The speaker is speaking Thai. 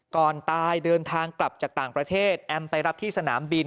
ก่อนตายเดินทางกลับจากต่างประเทศแอมไปรับที่สนามบิน